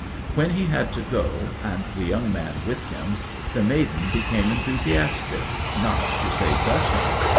When he had to go, and the young man with him, the maiden became enthusiastic, not to say gushing.